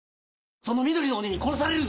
その緑の鬼に殺されるぞ！